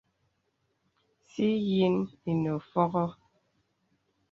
Sì yìnə ìnə fɔ̄gɔ̄.